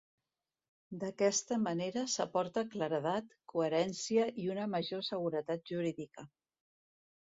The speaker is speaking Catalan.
D'aquesta manera s'aporta claredat, coherència i una major seguretat jurídica.